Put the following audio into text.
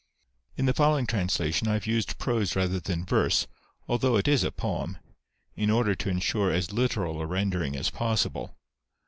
In the following translation I have used prose rather than verse, although it is a poem, in order to ensure as literal a rendering as possible.